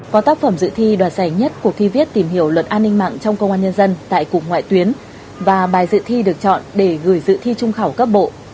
có tác phẩm dự thi đoạt giải nhất cuộc thi viết tìm hiểu luật an ninh mạng trong công an nhân dân tại cục ngoại tuyến và bài dự thi được chọn để gửi dự thi trung khảo cấp bộ